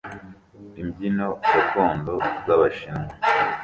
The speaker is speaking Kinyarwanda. Imbyino gakondo z'Abashinwa